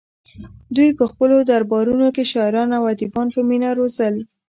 دوی په خپلو دربارونو کې شاعران او ادیبان په مینه روزل